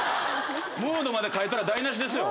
ムードまで書いたら台無しですよ。